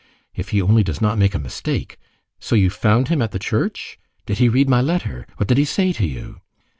If he only does not make a mistake! So you found him at the church? Did he read my letter? What did he say to you?"